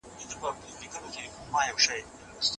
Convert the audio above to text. څنګه د خلګو شخصي ملکیتونه له غصب څخه خوندي پاته کیږي؟